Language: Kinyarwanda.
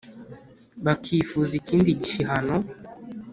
bakifuza ikindi ki hano ?